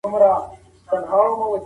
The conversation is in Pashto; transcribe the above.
چاپي تېروتنې بايد اصلاح شي.